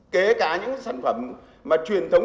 kể cả những sản phẩm mà truyền thống